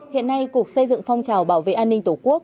hiện nay cục xây dựng phong trào bảo vệ an ninh tổ quốc